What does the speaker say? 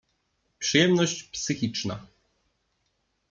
Przyjemność psychiczna.